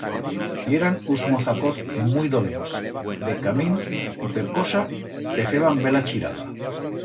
Yeran uns mozacoz muit dolents, decamín y per cosa te feban bela chirada.